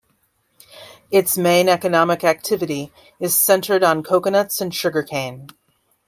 Its main economic activity is centered on coconuts and sugarcane.